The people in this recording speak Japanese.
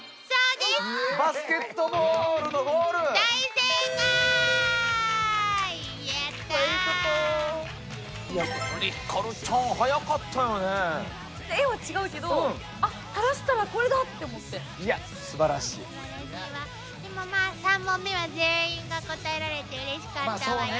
でもまあ３問目は全員が答えられてうれしかったわよ。